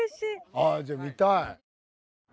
ああじゃあ見たい！